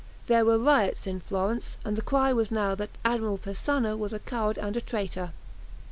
There were riots in Florence, and the cry was now that Admiral Persano was a coward and a traitor.